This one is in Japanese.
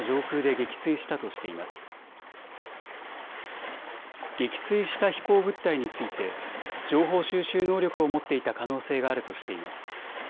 撃墜した飛行物体について情報収集の能力を持っていた可能性があるとしています。